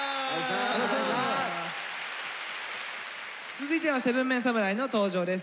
続いては７ＭＥＮ侍の登場です。